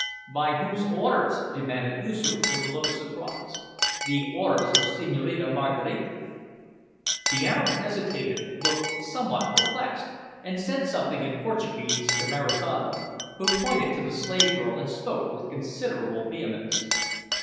"By whose orders?" demanded Yoosoof with a look of surprise. "The orders of the Senhorina Maraquita." The Arab hesitated, looked somewhat perplexed, and said something in Portuguese to Marizano, who pointed to the slave girl, and spoke with considerable vehemence.